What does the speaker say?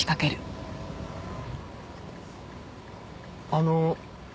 あの。